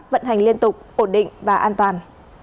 vận hành liên tục ổn định và an toàn